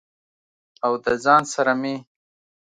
او د ځان سره مې